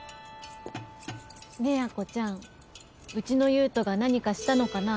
ねえ亜子ちゃんうちの優斗が何かしたのかな？